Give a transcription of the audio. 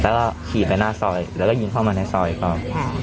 แล้วก็ขี่ไปหน้าซอยแล้วก็ยิงเข้ามาในซอยก่อน